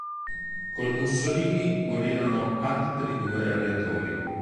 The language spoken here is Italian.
Col Mussolini morirono altri due aviatori.